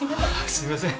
すいません。